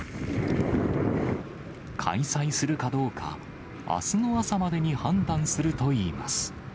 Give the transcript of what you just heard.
開催するかどうか、あすの朝までに判断するといいます。